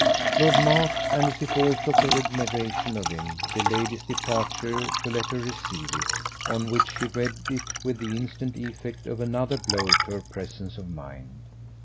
Lord Mark and as if also for admiration of him delayed his departure to let her receive it; on which she read it with the instant effect of another blow to her presence of mind.